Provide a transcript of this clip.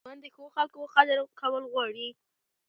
ژوند د ښو خلکو قدر کول غواړي.